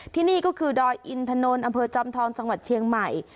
ที่นี่ก็คือดอยอินทนอจำทองสเชียงใหม่